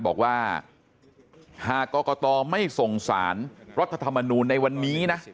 บอกว่าหากกตไม่ส่งสารรัฐธรรมนูลในวันนี้นะ